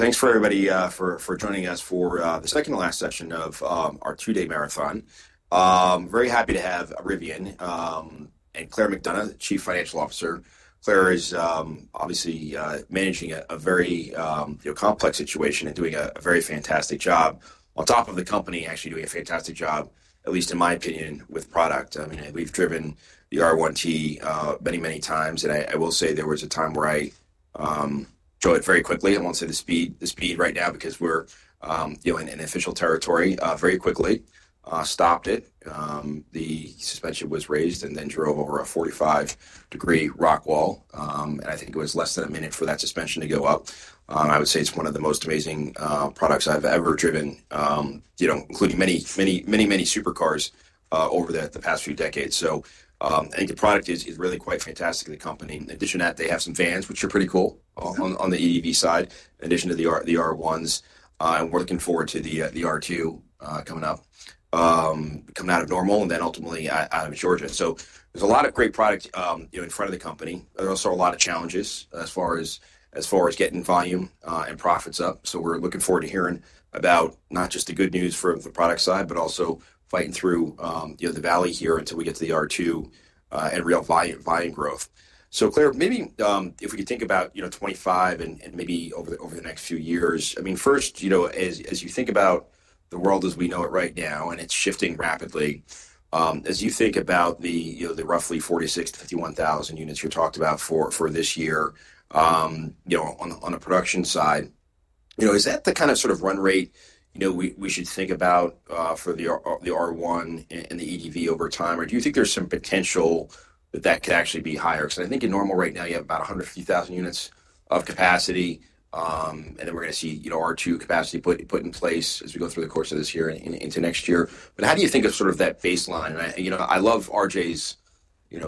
Thanks for everybody for joining us for the second to last session of our two-day marathon. Very happy to have Rivian and Claire McDonough, Chief Financial Officer. Claire is obviously managing a very complex situation and doing a very fantastic job. On top of the company, actually doing a fantastic job, at least in my opinion, with product. I mean, we've driven the R1T many, many times, and I will say there was a time where I drove it very quickly. I won't say the speed right now because we're in official territory. Very quickly stopped it. The suspension was raised and then drove over a 45-degree rock wall, and I think it was less than a minute for that suspension to go up. I would say it's one of the most amazing products I've ever driven, including many, many, many, many supercars over the past few decades. I think the product is really quite fantastic at the company. In addition to that, they have some vans, which are pretty cool on the EV side, in addition to the R1s. I'm working forward to the R2 coming out of Normal and then ultimately out of Georgia. There is a lot of great product in front of the company. There are also a lot of challenges as far as getting volume and profits up. We are looking forward to hearing about not just the good news from the product side, but also fighting through the valley here until we get to the R2 and real volume growth. Claire, maybe if we could think about 2025 and maybe over the next few years. I mean, first, as you think about the world as we know it right now and it's shifting rapidly, as you think about the roughly 46,000-51,000 units you talked about for this year on the production side, is that the kind of sort of run rate we should think about for the R1 and the EDV over time? Or do you think there's some potential that that could actually be higher? Because I think in Normal right now, you have about 150,000 units of capacity, and then we're going to see R2 capacity put in place as we go through the course of this year into next year. How do you think of sort of that baseline? I love RJ's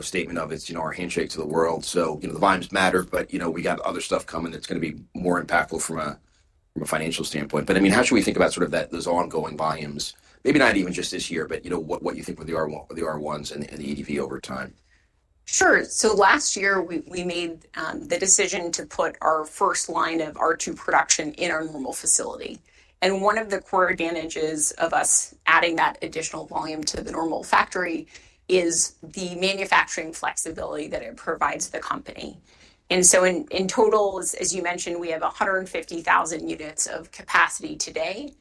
statement of it's our handshake to the world. The volumes matter, but we got other stuff coming that's going to be more impactful from a financial standpoint. I mean, how should we think about sort of those ongoing volumes? Maybe not even just this year, but what you think with the R1s and the EDV over time? Sure. Last year, we made the decision to put our first line of R2 production in our Normal facility. One of the core advantages of us adding that additional volume to the Normal factory is the manufacturing flexibility that it provides the company. In total, as you mentioned, we have 150,000 units of capacity today.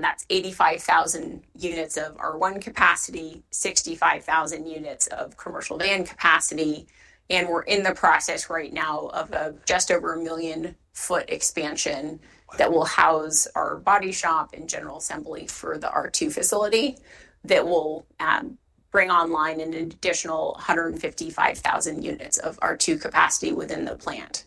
That is 85,000 units of R1 capacity, 65,000 units of commercial van capacity. We are in the process right now of a just over a million foot expansion that will house our body shop and general assembly for the R2 facility that will bring online an additional 155,000 units of R2 capacity within the plant.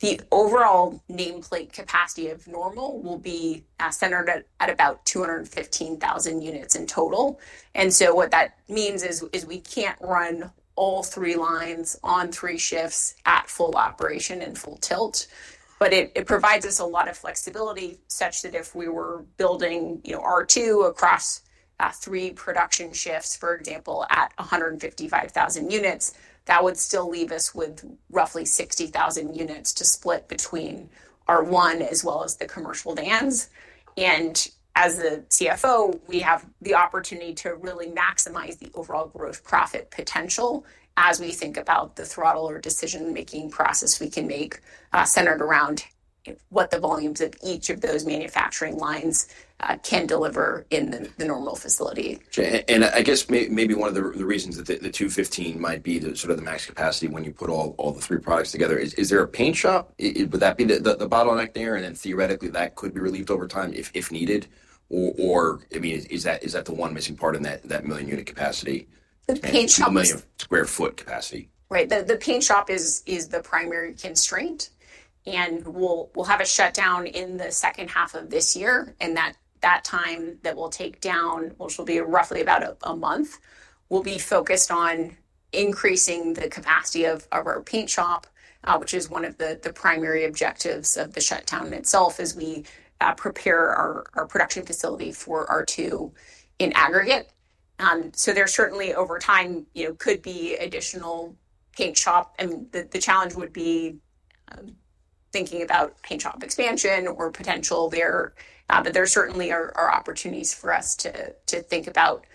The overall nameplate capacity of Normal will be centered at about 215,000 units in total. What that means is we can't run all three lines on three shifts at full operation and full tilt, but it provides us a lot of flexibility such that if we were building R2 across three production shifts, for example, at 155,000 units, that would still leave us with roughly 60,000 units to split between R1 as well as the commercial vans. As the CFO, we have the opportunity to really maximize the overall gross profit potential as we think about the throttle or decision-making process we can make centered around what the volumes of each of those manufacturing lines can deliver in the Normal facility. I guess maybe one of the reasons that the 215,000 units might be sort of the max capacity when you put all the three products together, is there a paint shop? Would that be the bottleneck there? Then theoretically, that could be relieved over time if needed. I mean, is that the one missing part in that million-unit capacity? The paint shop is. A million square-foot capacity. Right. The paint shop is the primary constraint. We will have a shutdown in the second half of this year. That time that we will take down, which will be roughly about a month, will be focused on increasing the capacity of our paint shop, which is one of the primary objectives of the shutdown itself as we prepare our production facility for R2 in aggregate. There certainly over time could be additional paint shop. The challenge would be thinking about paint shop expansion or potential there. There certainly are opportunities for us to think about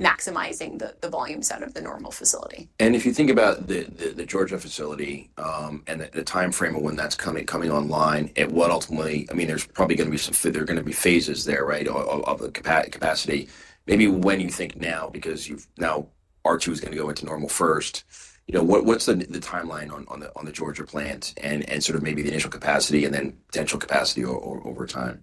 maximizing the volume set of the Normal facility. If you think about the Georgia facility and the timeframe of when that's coming online, what ultimately, I mean, there's probably going to be some, there are going to be phases there, right, of the capacity. Maybe when you think now, because now R2 is going to go into Normal first, what's the timeline on the Georgia plant and sort of maybe the initial capacity and then potential capacity over time?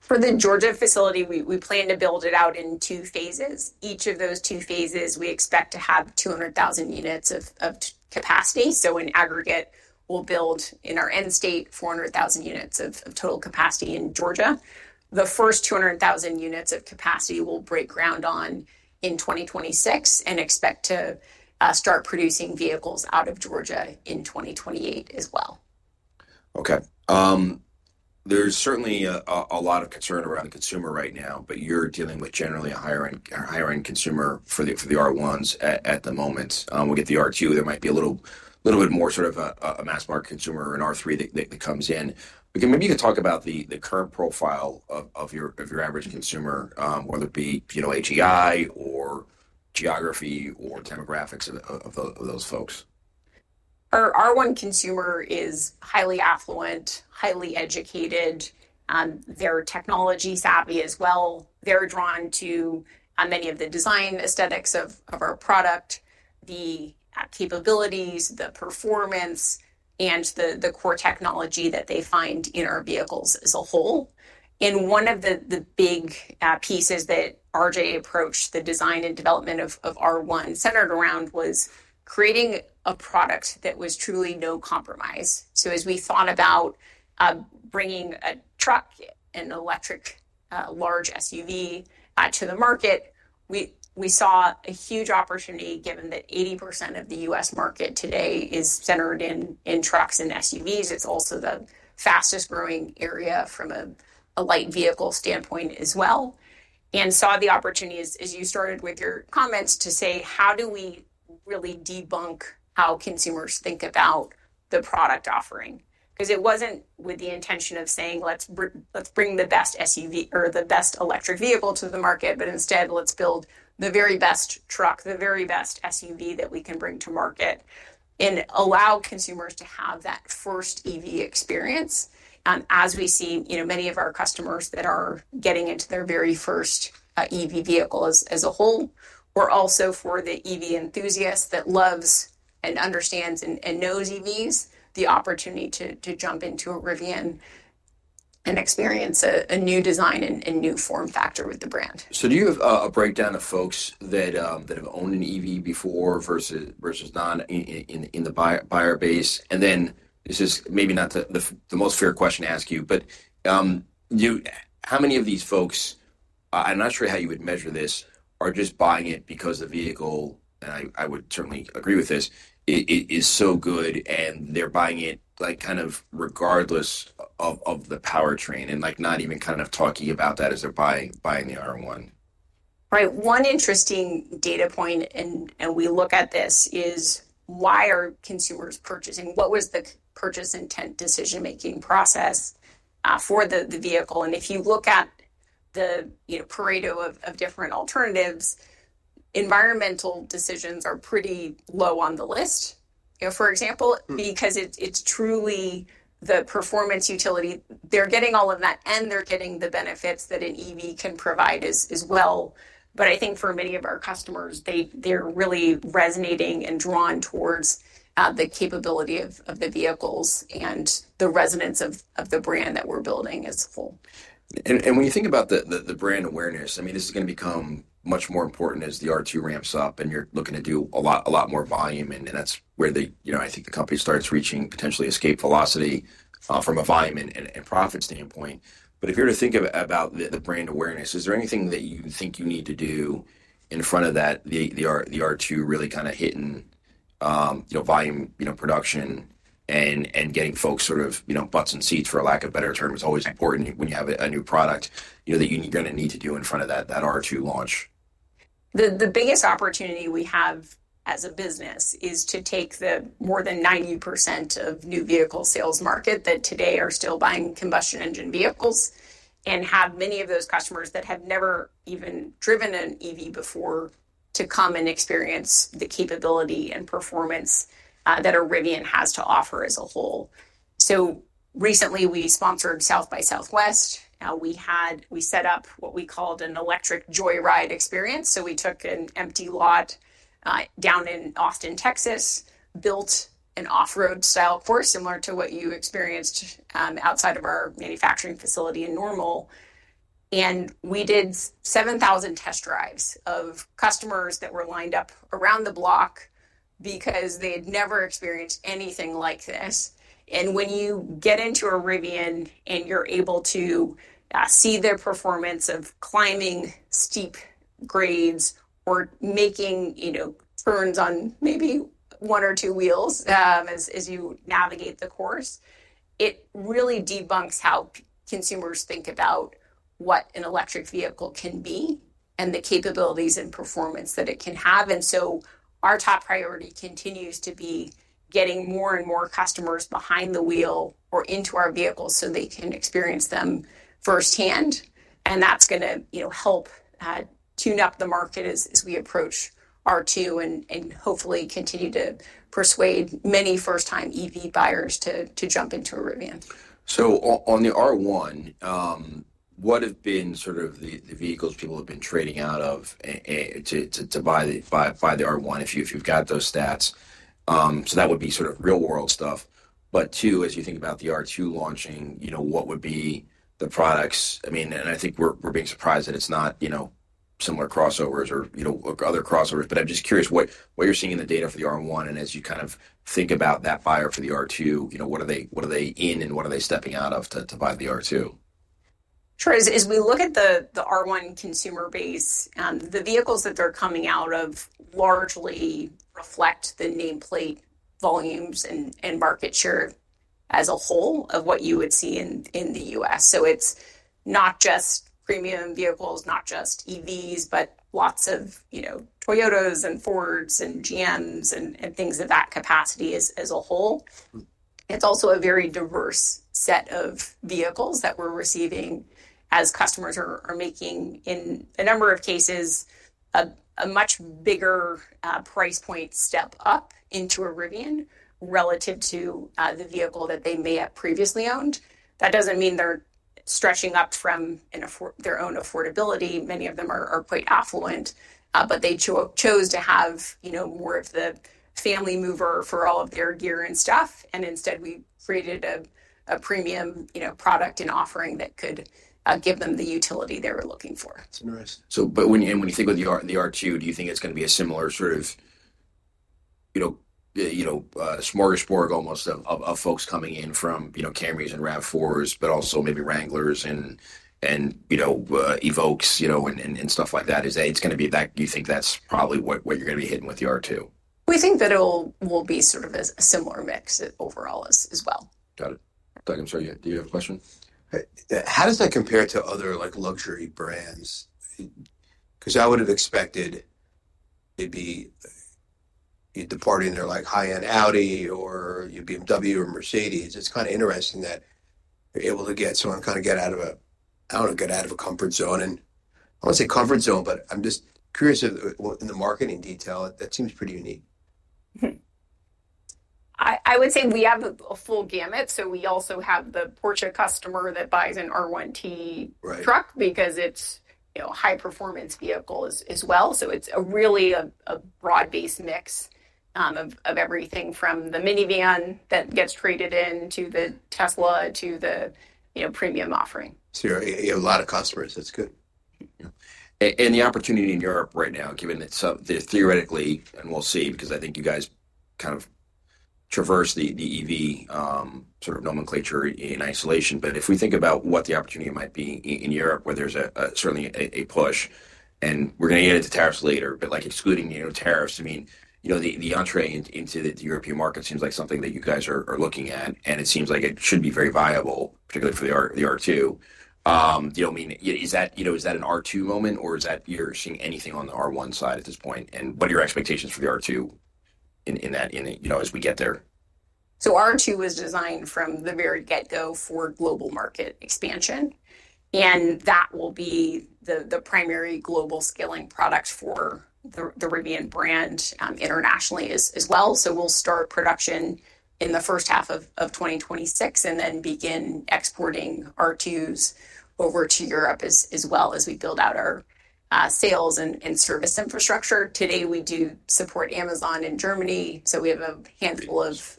For the Georgia facility, we plan to build it out in two phases. Each of those two phases, we expect to have 200,000 units of capacity. In aggregate, we will build in our end state 400,000 units of total capacity in Georgia. The first 200,000 units of capacity we will break ground on in 2026 and expect to start producing vehicles out of Georgia in 2028 as well. Okay. There's certainly a lot of concern around the consumer right now, but you're dealing with generally a higher-end consumer for the R1s at the moment. We'll get the R2. There might be a little bit more sort of a mass-market consumer in R3 that comes in. Maybe you could talk about the current profile of your average consumer, whether it be P&I TI or geography or demographics of those folks. Our R1 consumer is highly affluent, highly educated. They're technology-savvy as well. They're drawn to many of the design aesthetics of our product, the capabilities, the performance, and the core technology that they find in our vehicles as a whole. One of the big pieces that RJ approached the design and development of R1 centered around was creating a product that was truly no compromise. As we thought about bringing a truck, an electric large SUV to the market, we saw a huge opportunity given that 80% of the U.S. market today is centered in trucks and SUVs. It's also the fastest-growing area from a light vehicle standpoint as well. We saw the opportunity, as you started with your comments, to say, how do we really debunk how consumers think about the product offering? Because it wasn't with the intention of saying, let's bring the best SUV or the best electric vehicle to the market, but instead, let's build the very best truck, the very best SUV that we can bring to market and allow consumers to have that first EV experience. As we see many of our customers that are getting into their very first EV vehicle as a whole, or also for the EV enthusiast that loves and understands and knows EVs, the opportunity to jump into a Rivian and experience a new design and new form factor with the brand. Do you have a breakdown of folks that have owned an EV before versus not in the buyer base? This is maybe not the most fair question to ask you, but how many of these folks, I'm not sure how you would measure this, are just buying it because the vehicle, and I would certainly agree with this, is so good and they're buying it kind of regardless of the powertrain and not even kind of talking about that as they're buying the R1? Right. One interesting data point, and we look at this, is why are consumers purchasing? What was the purchase intent decision-making process for the vehicle? If you look at the parade of different alternatives, environmental decisions are pretty low on the list, for example, because it's truly the performance utility. They're getting all of that, and they're getting the benefits that an EV can provide as well. I think for many of our customers, they're really resonating and drawn towards the capability of the vehicles and the resonance of the brand that we're building as a whole. When you think about the brand awareness, I mean, this is going to become much more important as the R2 ramps up and you're looking to do a lot more volume. That is where I think the company starts reaching potentially escape velocity from a volume and profit standpoint. If you're to think about the brand awareness, is there anything that you think you need to do in front of that, the R2 really kind of hitting volume production and getting folks sort of butts in seats, for a lack of better terms, always important when you have a new product that you're going to need to do in front of that R2 launch? The biggest opportunity we have as a business is to take the more than 90% of new vehicle sales market that today are still buying combustion engine vehicles and have many of those customers that have never even driven an EV before to come and experience the capability and performance that a Rivian has to offer as a whole. Recently, we sponsored South by Southwest. We set up what we called an electric joy ride experience. We took an empty lot down in Austin, Texas, built an off-road style course similar to what you experienced outside of our manufacturing facility in Normal. We did 7,000 test drives of customers that were lined up around the block because they had never experienced anything like this. When you get into a Rivian and you're able to see their performance of climbing steep grades or making turns on maybe one or two wheels as you navigate the course, it really debunks how consumers think about what an electric vehicle can be and the capabilities and performance that it can have. Our top priority continues to be getting more and more customers behind the wheel or into our vehicles so they can experience them firsthand. That's going to help tune up the market as we approach R2 and hopefully continue to persuade many first-time EV buyers to jump into a Rivian. On the R1, what have been sort of the vehicles people have been trading out of to buy the R1 if you've got those stats? That would be sort of real-world stuff. Two, as you think about the R2 launching, what would be the products? I mean, and I think we're being surprised that it's not similar crossovers or other crossovers, but I'm just curious what you're seeing in the data for the R1. As you kind of think about that buyer for the R2, what are they in and what are they stepping out of to buy the R2? Sure. As we look at the R1 consumer base, the vehicles that they're coming out of largely reflect the nameplate volumes and market share as a whole of what you would see in the U.S. It is not just premium vehicles, not just EVs, but lots of Toyotas and Fords and GMs and things of that capacity as a whole. It is also a very diverse set of vehicles that we're receiving as customers are making, in a number of cases, a much bigger price point step up into a Rivian relative to the vehicle that they may have previously owned. That does not mean they're stretching up from their own affordability. Many of them are quite affluent, but they chose to have more of the family mover for all of their gear and stuff. Instead, we created a premium product and offering that could give them the utility they were looking for. That's nice. When you think of the R2, do you think it's going to be a similar sort of smorgasbord almost of folks coming in from Camrys and RAV4s, but also maybe Wranglers and Evoques and stuff like that? Is it going to be that you think that's probably what you're going to be hitting with the R2? We think that it will be sort of a similar mix overall as well. Got it. Doug, I'm sorry. Do you have a question? How does that compare to other luxury brands? Because I would have expected it'd be departing their high-end Audi or your BMW or Mercedes. It's kind of interesting that you're able to get someone kind of get out of a, I don't know, get out of a comfort zone. I won't say comfort zone, but I'm just curious in the marketing detail. That seems pretty unique. I would say we have a full gamut. We also have the Porsche customer that buys an R1T truck because it's a high-performance vehicle as well. It's really a broad-based mix of everything from the minivan that gets traded in to the Tesla to the premium offering. You have a lot of customers. That's good. The opportunity in Europe right now, given that theoretically, and we'll see because I think you guys kind of traverse the EV sort of nomenclature in isolation. If we think about what the opportunity might be in Europe, where there's certainly a push, and we're going to get into tariffs later, but excluding tariffs, I mean, the entrée into the European market seems like something that you guys are looking at. It seems like it should be very viable, particularly for the R2. I mean, is that an R2 moment, or is that you're seeing anything on the R1 side at this point? What are your expectations for the R2 in that as we get there? R2 was designed from the very get-go for global market expansion. That will be the primary global scaling product for the Rivian brand internationally as well. We'll start production in the first half of 2026 and then begin exporting R2s over to Europe as well as we build out our sales and service infrastructure. Today, we do support Amazon in Germany. We have a handful of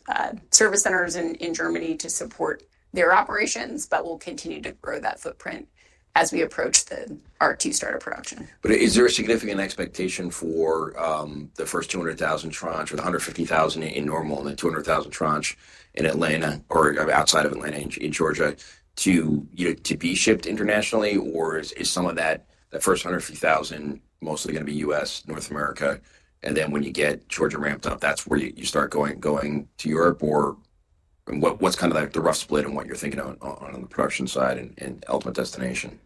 service centers in Germany to support their operations, but we'll continue to grow that footprint as we approach the R2 startup production. Is there a significant expectation for the first 200,000 tranche or the 150,000 in Normal and the 200,000 tranche in Atlanta or outside of Atlanta in Georgia to be shipped internationally, or is some of that first 150,000 mostly going to be U.S., North America? When you get Georgia ramped up, that's where you start going to Europe? What's kind of the rough split and what you're thinking on the production side and ultimate destination?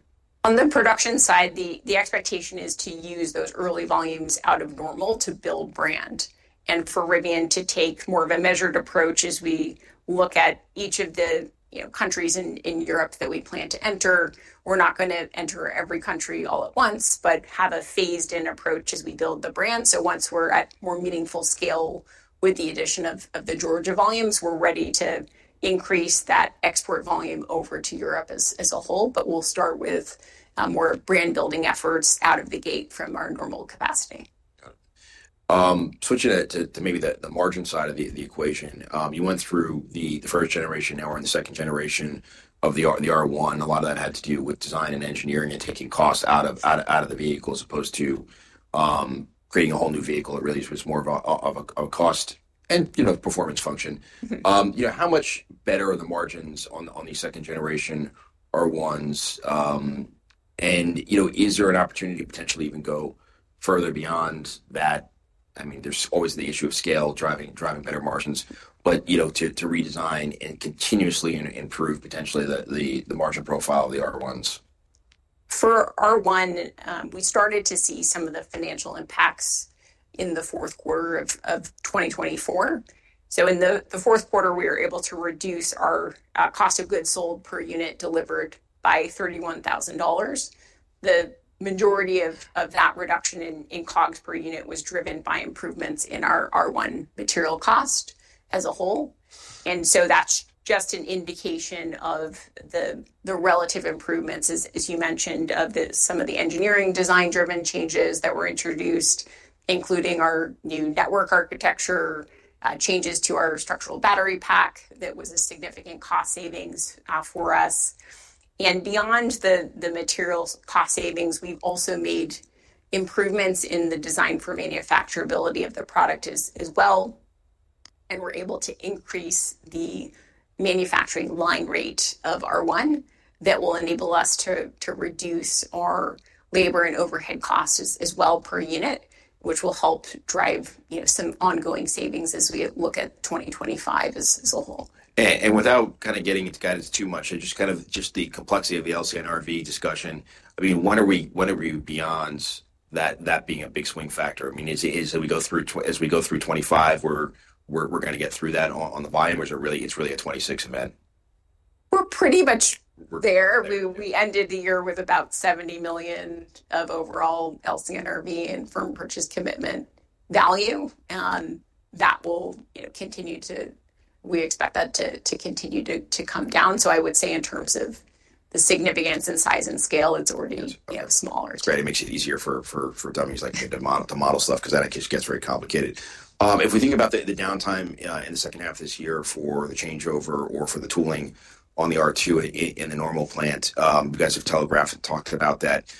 On the production side, the expectation is to use those early volumes out of Normal to build brand. And for Rivian to take more of a measured approach as we look at each of the countries in Europe that we plan to enter. We're not going to enter every country all at once, but have a phased-in approach as we build the brand. So once we're at more meaningful scale with the addition of the Georgia volumes, we're ready to increase that export volume over to Europe as a whole, but we'll start with more brand-building efforts out of the gate from our Normal capacity. Got it. Switching to maybe the margin side of the equation. You went through the first generation now and the second generation of the R1. A lot of that had to do with design and engineering and taking cost out of the vehicle as opposed to creating a whole new vehicle. It really was more of a cost and performance function. How much better are the margins on the second generation R1s? And is there an opportunity to potentially even go further beyond that? I mean, there's always the issue of scale, driving better margins, but to redesign and continuously improve potentially the margin profile of the R1s? For R1, we started to see some of the financial impacts in the fourth quarter of 2024. In the fourth quarter, we were able to reduce our cost of goods sold per unit delivered by $31,000. The majority of that reduction in COGS per unit was driven by improvements in our R1 material cost as a whole. That is just an indication of the relative improvements, as you mentioned, of some of the engineering design-driven changes that were introduced, including our new network architecture, changes to our structural battery pack that was a significant cost savings for us. Beyond the material cost savings, we have also made improvements in the design for manufacturability of the product as well. We're able to increase the manufacturing line rate of R1 that will enable us to reduce our labor and overhead costs as well per unit, which will help drive some ongoing savings as we look at 2025 as a whole. Without kind of getting into guidance too much, just kind of the complexity of the LCNRV discussion, I mean, when are we beyond that being a big swing factor? I mean, as we go through 2025, are we going to get through that on the volume, or is it really a 2026 event? We're pretty much there. We ended the year with about $70 million of overall LCNRV and firm purchase commitment value. That will continue to, we expect that to continue to come down. I would say in terms of the significance and size and scale, it's already smaller. Right. It makes it easier for companies like the model stuff because that gets very complicated. If we think about the downtime in the second half of this year for the changeover or for the tooling on the R2 in the Normal plant, you guys have telegraphed and talked about that.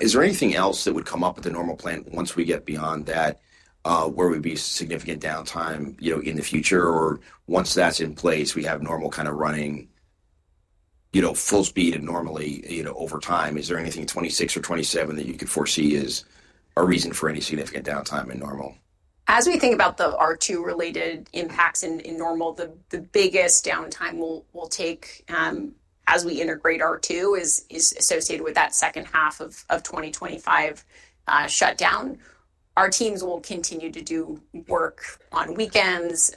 Is there anything else that would come up with the Normal plant once we get beyond that where we'd be significant downtime in the future? Or once that's in place, we have Normal kind of running full speed and normally over time, is there anything in 2026 or 2027 that you could foresee as a reason for any significant downtime in Normal? As we think about the R2-related impacts in Normal, the biggest downtime we'll take as we integrate R2 is associated with that second half of 2025 shutdown. Our teams will continue to do work on weekends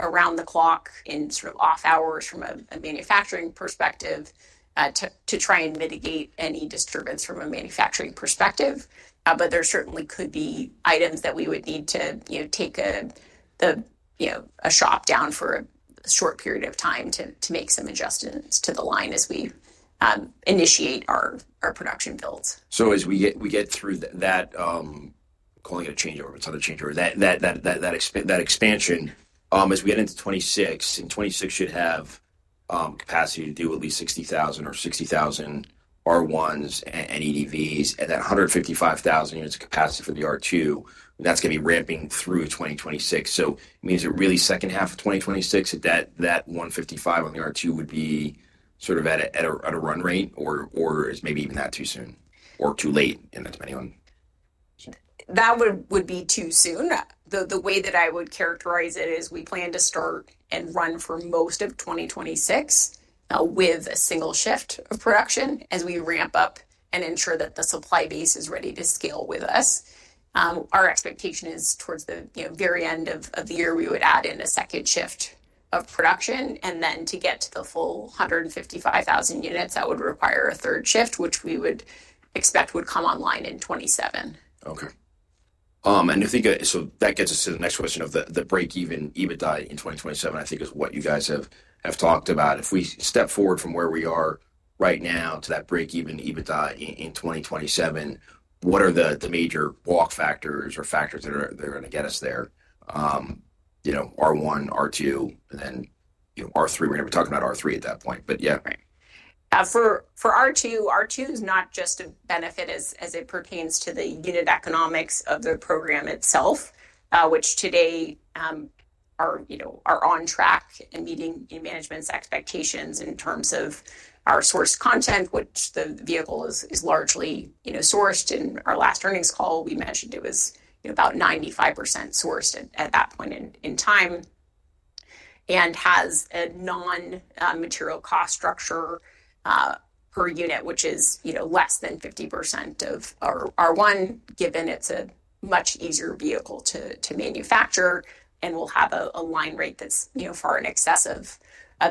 around the clock in sort of off-hours from a manufacturing perspective to try and mitigate any disturbance from a manufacturing perspective. There certainly could be items that we would need to take a shop down for a short period of time to make some adjustments to the line as we initiate our production builds. As we get through that, calling it a changeover, it's not a changeover, that expansion, as we get into 2026, and 2026 should have capacity to do at least 60,000 or 60,000 R1s and EDVs, and then 155,000 units of capacity for the R2, that's going to be ramping through 2026. I mean, is it really second half of 2026 that that 155,000 units on the R2 would be sort of at a run rate, or is maybe even that too soon or too late in that depending on? That would be too soon. The way that I would characterize it is we plan to start and run for most of 2026 with a single shift of production as we ramp up and ensure that the supply base is ready to scale with us. Our expectation is towards the very end of the year, we would add in a second shift of production. To get to the full 155,000 units, that would require a third shift, which we would expect would come online in 2027. Okay. I think that gets us to the next question of the break-even EBITDA in 2027, I think is what you guys have talked about. If we step forward from where we are right now to that break-even EBITDA in 2027, what are the major block factors or factors that are going to get us there? R1, R2, and then R3. We're never talking about R3 at that point, but yeah. For R2, R2 is not just a benefit as it pertains to the unit economics of the program itself, which today are on track and meeting management's expectations in terms of our source content, which the vehicle is largely sourced. In our last earnings call, we mentioned it was about 95% sourced at that point in time and has a non-material cost structure per unit, which is less than 50% of R1, given it's a much easier vehicle to manufacture and will have a line rate that's far in excess of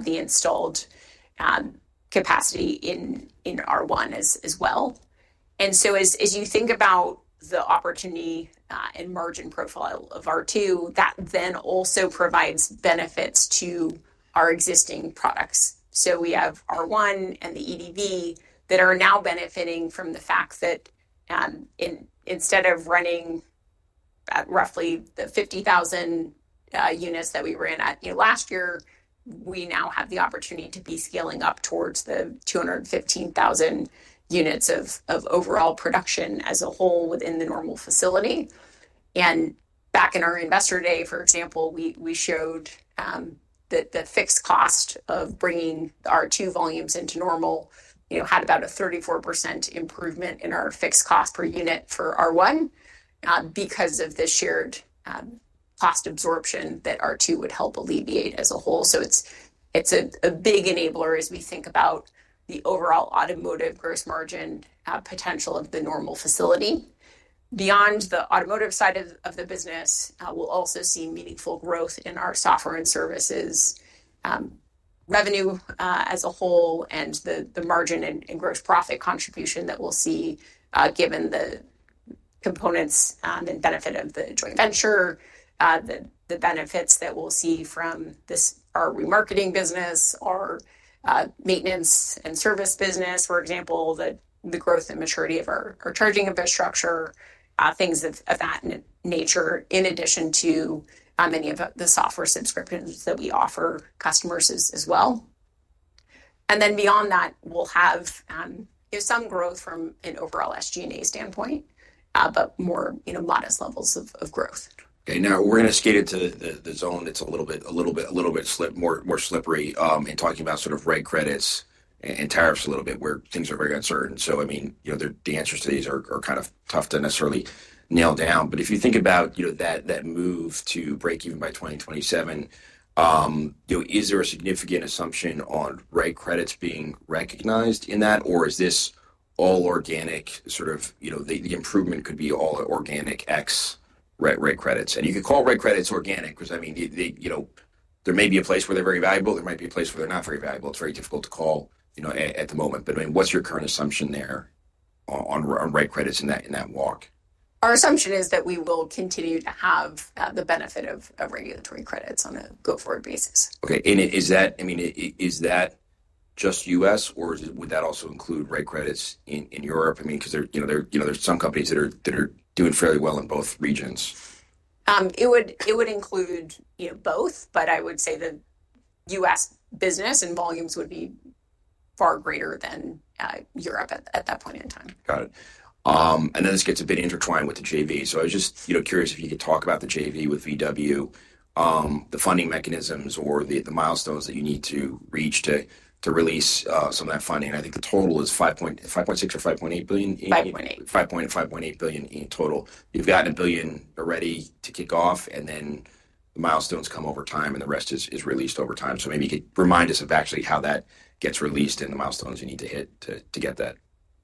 the installed capacity in R1 as well. As you think about the opportunity and margin profile of R2, that then also provides benefits to our existing products. We have R1 and the EDV that are now benefiting from the fact that instead of running roughly the 50,000 units that we ran at last year, we now have the opportunity to be scaling up towards the 215,000 units of overall production as a whole within the Normal facility. Back in our investor day, for example, we showed that the fixed cost of bringing R2 volumes into Normal had about a 34% improvement in our fixed cost per unit for R1 because of the shared cost absorption that R2 would help alleviate as a whole. It is a big enabler as we think about the overall automotive gross margin potential of the Normal facility. Beyond the automotive side of the business, we'll also see meaningful growth in our software and services revenue as a whole and the margin and gross profit contribution that we'll see given the components and benefit of the joint venture, the benefits that we'll see from our remarketing business, our maintenance and service business, for example, the growth and maturity of our charging infrastructure, things of that nature, in addition to many of the software subscriptions that we offer customers as well. Then beyond that, we'll have some growth from an overall SG&A standpoint, but more modest levels of growth. Okay. Now, we're going to skate into the zone that's a little bit more slippery in talking about sort of regulatory credits and tariffs a little bit, where things are very uncertain. I mean, the answers to these are kind of tough to necessarily nail down. If you think about that move to break even by 2027, is there a significant assumption on regulatory credits being recognized in that, or is this all organic? Sort of the improvement could be all organic excluding regulatory credits. You could call regulatory credits organic because, I mean, there may be a place where they're very valuable. There might be a place where they're not very valuable. It's very difficult to call at the moment. I mean, what's your current assumption there on regulatory credits in that walk? Our assumption is that we will continue to have the benefit of regulatory credits on a go-forward basis. Okay. I mean, is that just U.S., or would that also include regulatory credits in Europe? I mean, because there's some companies that are doing fairly well in both regions. It would include both, but I would say the U.S. business and volumes would be far greater than Europe at that point in time. Got it. This gets a bit intertwined with the JV. I was just curious if you could talk about the JV with VW, the funding mechanisms or the milestones that you need to reach to release some of that funding. I think the total is $5.6 billion or $5.8 billion. $5.8 billion. $5.8 billion in total. You've gotten $1 billion already to kick off, and then the milestones come over time, and the rest is released over time. Maybe you could remind us of actually how that gets released and the milestones you need to hit to get that.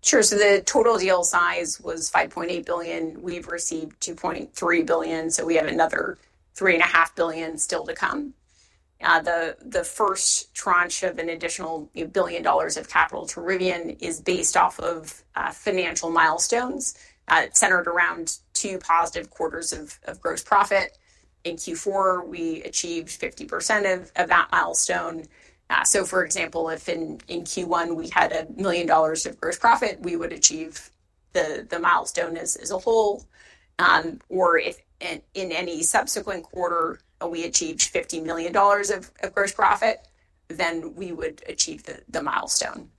Sure. The total deal size was $5.8 billion. We've received $2.3 billion. We have another $3.5 billion still to come. The first tranche of an additional $1 billion of capital to Rivian is based off of financial milestones centered around two positive quarters of gross profit. In Q4, we achieved 50% of that milestone. For example, if in Q1 we had $1 million of gross profit, we would achieve the milestone as a whole. Or if in any subsequent quarter we achieved $50 million of gross profit, then we would achieve the milestone.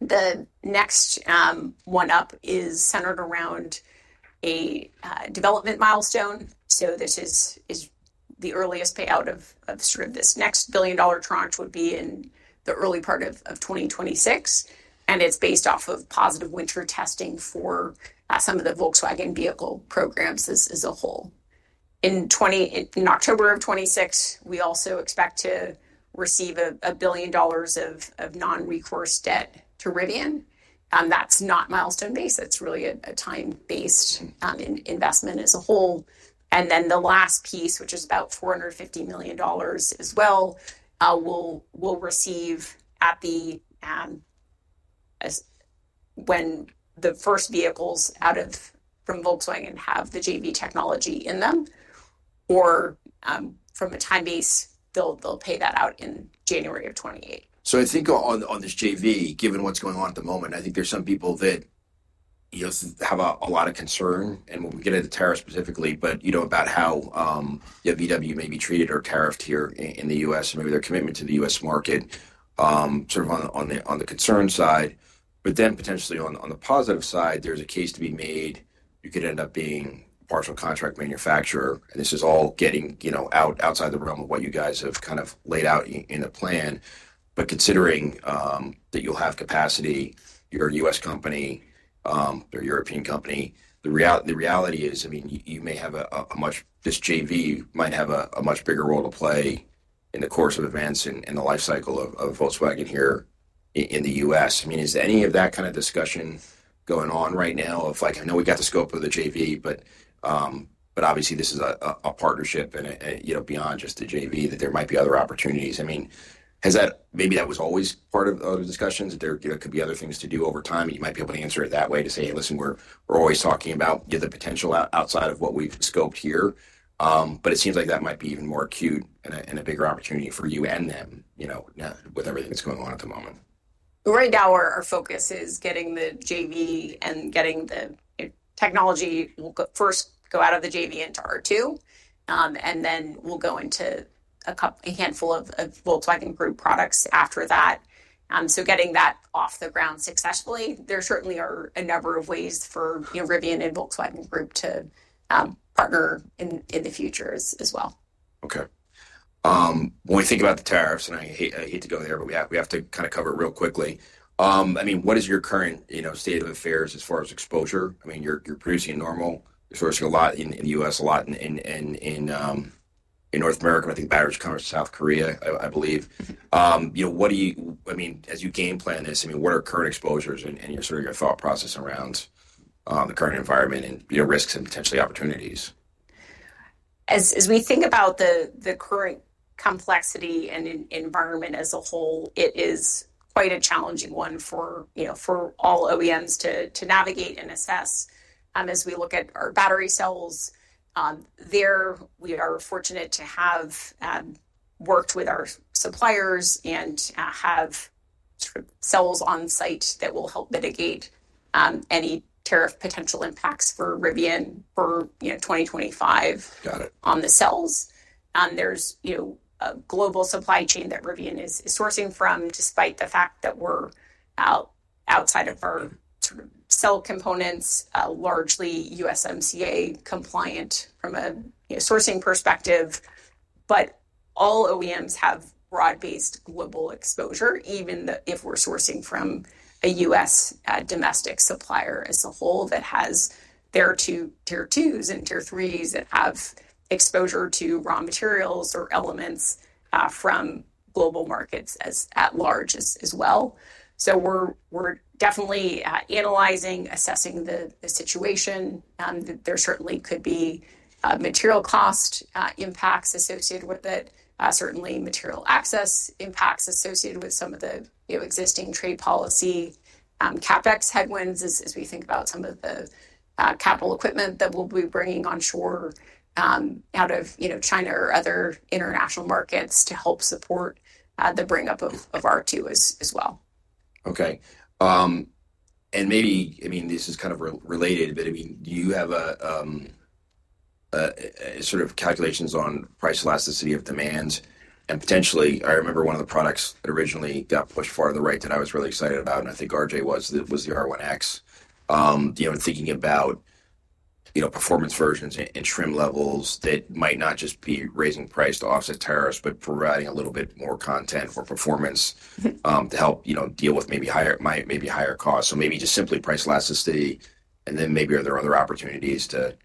The next one up is centered around a development milestone. The earliest payout of this next billion-dollar tranche would be in the early part of 2026. It is based off of positive winter testing for some of the Volkswagen vehicle programs as a whole. In October of 2026, we also expect to receive $1 billion of non-recourse debt to Rivian. That's not milestone-based. That's really a time-based investment as a whole. The last piece, which is about $450 million as well, we'll receive when the first vehicles out of from Volkswagen have the JV technology in them. Or from a time base, they'll pay that out in January of 2028. I think on this JV, given what's going on at the moment, I think there's some people that have a lot of concern, and we'll get into tariff specifically, but about how Volkswagen may be treated or tariffed here in the U.S. and maybe their commitment to the U.S. market sort of on the concern side. Then potentially on the positive side, there's a case to be made. You could end up being a partial contract manufacturer. This is all getting outside the realm of what you guys have kind of laid out in the plan. Considering that you'll have capacity, you're a U.S. company, you're a European company, the reality is, I mean, you may have a much, this JV might have a much bigger role to play in the course of events and the life cycle of Volkswagen here in the U.S. I mean, is any of that kind of discussion going on right now of like, "I know we got the scope of the JV, but obviously this is a partnership and beyond just the JV that there might be other opportunities"? I mean, maybe that was always part of the discussion that there could be other things to do over time. And you might be able to answer it that way to say, "Hey, listen, we're always talking about the potential outside of what we've scoped here." It seems like that might be even more acute and a bigger opportunity for you and them with everything that's going on at the moment. Right now, our focus is getting the JV and getting the technology will first go out of the JV into R2, and then will go into a handful of Volkswagen Group products after that. Getting that off the ground successfully, there certainly are a number of ways for Rivian and Volkswagen Group to partner in the future as well. Okay. When we think about the tariffs, and I hate to go there, but we have to kind of cover it real quickly. I mean, what is your current state of affairs as far as exposure? I mean, you're producing Normal. You're sourcing a lot in the U.S., a lot in North America. I think batteries come out of South Korea, I believe. What do you, I mean, as you game plan this, I mean, what are current exposures and sort of your thought process around the current environment and risks and potentially opportunities? As we think about the current complexity and environment as a whole, it is quite a challenging one for all OEMs to navigate and assess. As we look at our battery cells there, we are fortunate to have worked with our suppliers and have sort of cells on site that will help mitigate any tariff potential impacts for Rivian for 2025 on the cells. There is a global supply chain that Rivian is sourcing from, despite the fact that we are outside of our sort of cell components, largely USMCA compliant from a sourcing perspective. All OEMs have broad-based global exposure, even if we are sourcing from a U.S. domestic supplier as a whole that has their Tier 2s and Tier 3s that have exposure to raw materials or elements from global markets at large as well. We are definitely analyzing, assessing the situation. There certainly could be material cost impacts associated with it, certainly material access impacts associated with some of the existing trade policy, CapEx headwinds as we think about some of the capital equipment that we'll be bringing onshore out of China or other international markets to help support the bring-up of R2 as well. Okay. I mean, this is kind of related, but I mean, do you have sort of calculations on price elasticity of demand? Potentially, I remember one of the products that originally got pushed farther to the right that I was really excited about, and I think RJ was the R1X, thinking about performance versions and trim levels that might not just be raising price to offset tariffs, but providing a little bit more content or performance to help deal with maybe higher costs. Maybe just simply price elasticity, and then maybe are there other opportunities to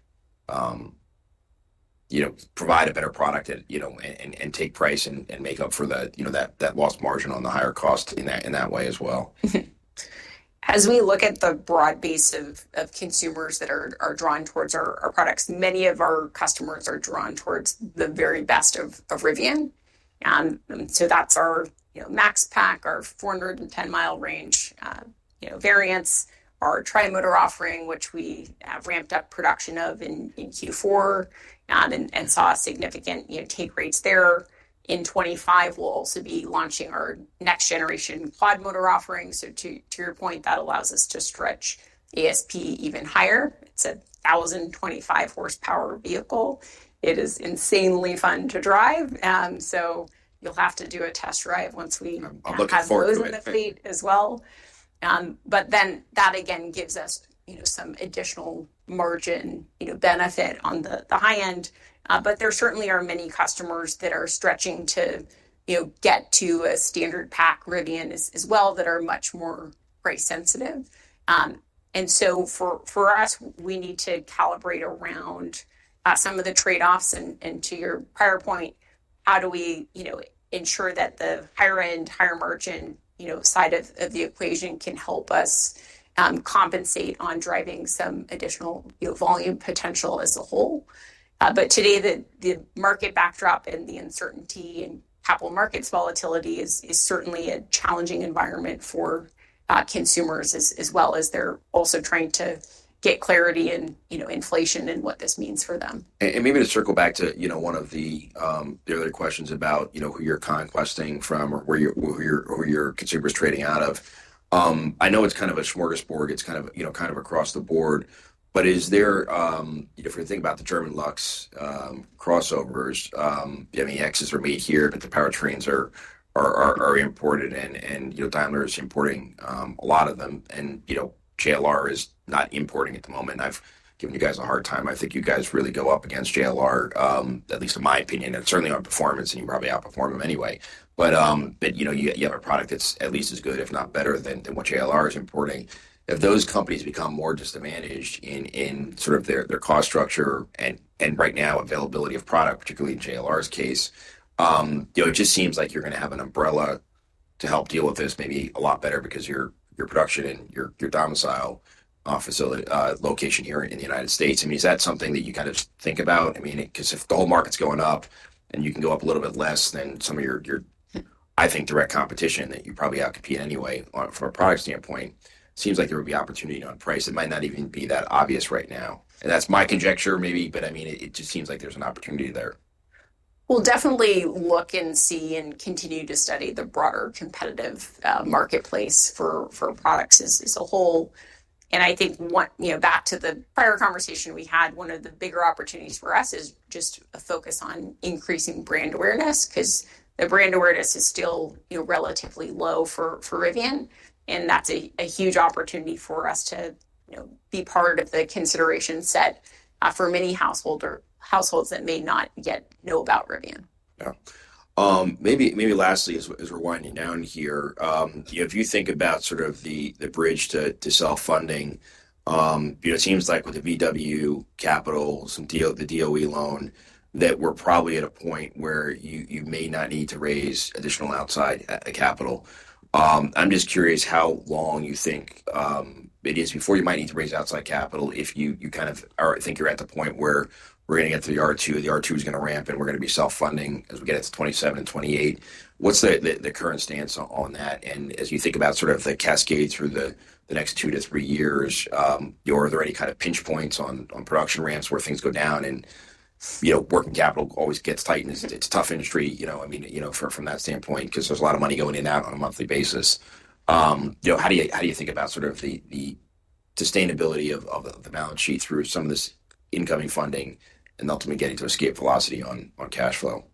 provide a better product and take price and make up for that lost margin on the higher cost in that way as well? As we look at the broad base of consumers that are drawn towards our products, many of our customers are drawn towards the very best of Rivian. So that's our Max Pack, our 410-mile range variants, our Tri-Motor offering, which we have ramped up production of in Q4 and saw significant take rates there. In 2025, we'll also be launching our next-generation Quad-Motor offering. So to your point, that allows us to stretch ASP even higher. It's a 1,025-horsepower vehicle. It is insanely fun to drive. So you'll have to do a test drive once we pass those in the fleet as well. But then that, again, gives us some additional margin benefit on the high end. But there certainly are many customers that are stretching to get to a Standard Pack Rivian as well that are much more price-sensitive. For us, we need to calibrate around some of the trade-offs. To your prior point, how do we ensure that the higher-end, higher-margin side of the equation can help us compensate on driving some additional volume potential as a whole? Today, the market backdrop and the uncertainty and capital markets volatility is certainly a challenging environment for consumers as well as they are also trying to get clarity in inflation and what this means for them. Maybe to circle back to one of the earlier questions about who you're conquesting from or who your consumer is trading out of. I know it's kind of a smorgasbord. It's kind of across the board. If we think about the German Lux crossovers, the Xs are made here, but the powertrains are imported, and Daimler is importing a lot of them, and JLR is not importing at the moment. I've given you guys a hard time. I think you guys really go up against JLR, at least in my opinion, and certainly on performance, and you probably outperform them anyway. You have a product that's at least as good, if not better, than what JLR is importing. If those companies become more disadvantaged in sort of their cost structure and right now availability of product, particularly in JLR's case, it just seems like you're going to have an umbrella to help deal with this maybe a lot better because your production and your domicile location here in the United States. I mean, is that something that you kind of think about? I mean, because if the whole market's going up and you can go up a little bit less than some of your, I think, direct competition that you probably outcompete anyway from a product standpoint, it seems like there would be opportunity on price. It might not even be that obvious right now. And that's my conjecture maybe, but I mean, it just seems like there's an opportunity there. We'll definitely look and see and continue to study the broader competitive marketplace for products as a whole. I think back to the prior conversation we had, one of the bigger opportunities for us is just a focus on increasing brand awareness because the brand awareness is still relatively low for Rivian. That's a huge opportunity for us to be part of the consideration set for many households that may not yet know about Rivian. Yeah. Maybe lastly, as we're winding down here, if you think about sort of the bridge to self-funding, it seems like with the VW Capital, the DOE loan, that we're probably at a point where you may not need to raise additional outside capital. I'm just curious how long you think it is before you might need to raise outside capital if you kind of think you're at the point where we're going to get to the R2, the R2 is going to ramp, and we're going to be self-funding as we get into 2027 and 2028. What's the current stance on that? As you think about sort of the cascade through the next two to three years, are there any kind of pinch points on production ramps where things go down and working capital always gets tightened? It's a tough industry, I mean, from that standpoint, because there's a lot of money going in and out on a monthly basis. How do you think about sort of the sustainability of the balance sheet through some of this incoming funding and ultimately getting to escape velocity on cash flow?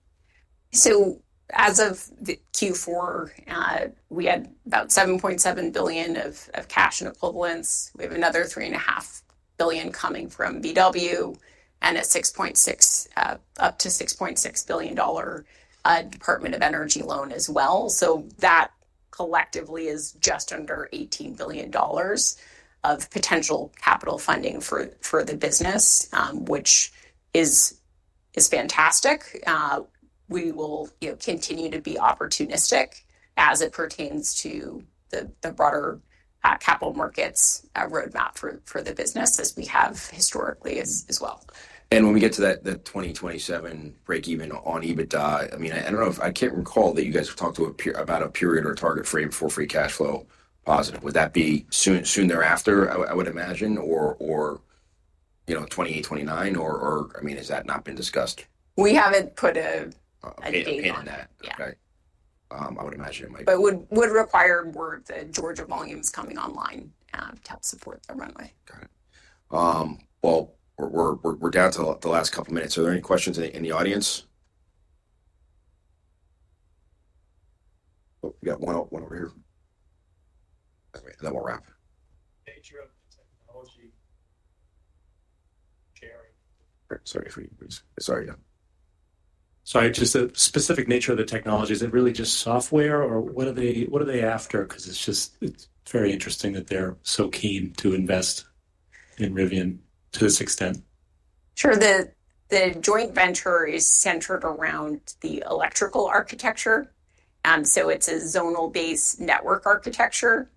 As of Q4, we had about $7.7 billion of cash and equivalents. We have another $3.5 billion coming from VW and up to $6.6 billion Department of Energy loan as well. That collectively is just under $18 billion of potential capital funding for the business, which is fantastic. We will continue to be opportunistic as it pertains to the broader capital markets roadmap for the business as we have historically as well. When we get to that 2027 break-even on EBITDA, I mean, I don't know if I can't recall that you guys talked about a period or a target frame for free cash flow positive. Would that be soon thereafter, I would imagine, or 2028, 2029, or I mean, has that not been discussed? We haven't put a date on that. Okay. I would imagine it might be. It would require more of the Georgia volumes coming online to help support the runway. Got it. We're down to the last couple of minutes. Are there any questions in the audience? Oh, we got one over here. And then we'll wrap. Nature of the technology, [audio distrotion]. Sorry. Sorry. Sorry. Just the specific nature of the technology. Is it really just software, or what are they after? Because it's very interesting that they're so keen to invest in Rivian to this extent. Sure. The joint venture is centered around the electrical architecture. It is a zonal-based network architecture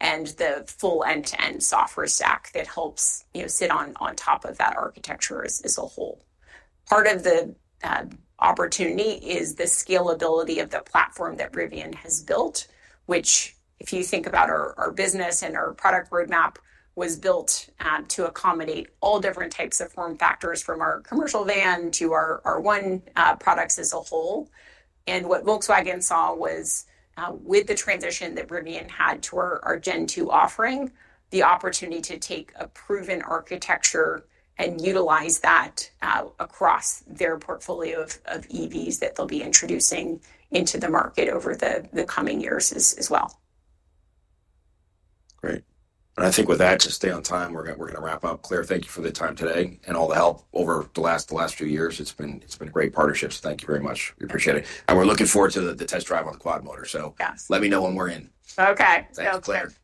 and the full end-to-end software stack that helps sit on top of that architecture as a whole. Part of the opportunity is the scalability of the platform that Rivian has built, which, if you think about our business and our product roadmap, was built to accommodate all different types of form factors from our commercial van to our R1 products as a whole. What Volkswagen saw was, with the transition that Rivian had to our Gen 2 offering, the opportunity to take a proven architecture and utilize that across their portfolio of EVs that they'll be introducing into the market over the coming years as well. Great. I think with that, just to stay on time, we're going to wrap up. Claire, thank you for the time today and all the help over the last few years. It's been great partnerships. Thank you very much. We appreciate it. We're looking forward to the test drive on the quad motor. Let me know when we're in. Okay. Thanks, Claire. Thanks.